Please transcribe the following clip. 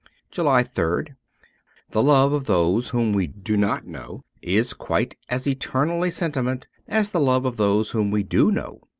204 JULY 3rd THE love of those whom we do not know is quite as eternal a sentiment as the love of those v/hom we do know.